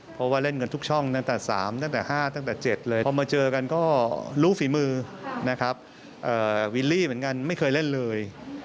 เพราะว่าเล่นกันทุกช่องตั้งแต่๓ตั้งแต่๕ตั้งแต่๗เลย